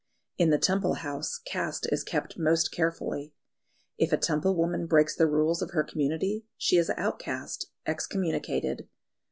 In the Temple house caste is kept most carefully. If a Temple woman breaks the rules of her community she is out casted, excommunicated.